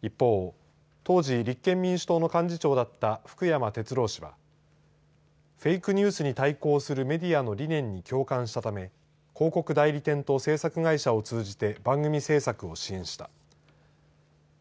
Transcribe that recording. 一方、当時立憲民主党の幹事長だった福山哲郎氏はフェイクニュースに対抗するメディアの理念に共感したため広告代理店と制作会社を通じて番組制作を支援した。